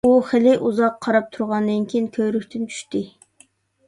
ئۇ خېلى ئۇزاق قاراپ تۇرغاندىن كېيىن، كۆۋرۈكتىن چۈشتى.